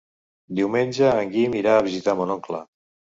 Diumenge en Guim irà a visitar mon oncle.